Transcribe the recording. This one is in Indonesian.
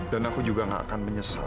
dan aku juga nggak akan menyesal